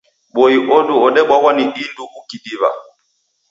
Boi odu odebwaghwa ni indu ukidiwa